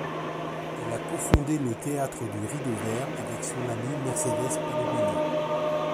Elle a cofondé le Théâtre du Rideau Vert avec son amie Mercedes Palomino.